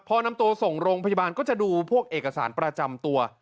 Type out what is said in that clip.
พอนำตัวส่งโรงพยาบาลก็จะดูพวกเอกสารประจำตัว